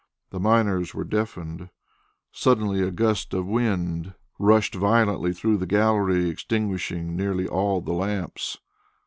The miners were deafened. Suddenly a gust of wind rushed violently through the gallery, extinguishing nearly all the lamps.